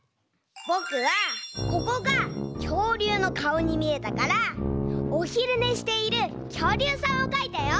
ぼくはここがきょうりゅうのかおにみえたからおひるねしているきょうりゅうさんをかいたよ。